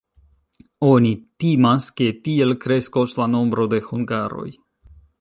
Oni timas, ke tiel kreskos la nombro de hungaroj.